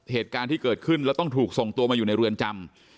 เหตุการณ์ที่เกิดขึ้นแล้วต้องถูกส่งตัวมาอยู่ในเรือนจำ